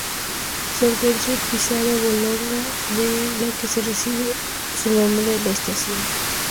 Se encuentra en Piazza Bologna, de la que recibe su nombre la estación.